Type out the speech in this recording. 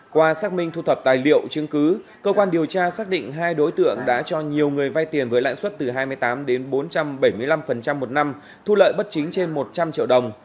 qua xác minh thu thập tài liệu chứng cứ cơ quan điều tra xác định hai đối tượng đã cho nhiều người vay tiền với lãi suất từ hai mươi tám đến bốn trăm bảy mươi năm một năm thu lợi bất chính trên một trăm linh triệu đồng